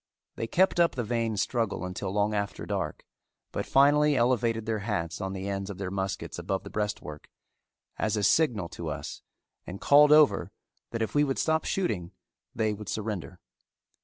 They kept up the vain struggle until long after dark, but finally elevated their hats on the ends of their muskets above the breastwork, as a signal to us, and called over that if we would stop shooting they would surrender.